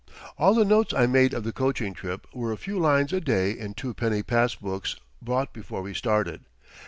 All the notes I made of the coaching trip were a few lines a day in twopenny pass books bought before we started.